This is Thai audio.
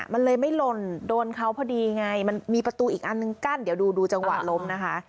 มันเลยไม่หล่นโดนเขาพอดีไงมันมีประตูอีกอันนึงกั้นเดี๋ยวดูดูจังหวะล้มนะคะ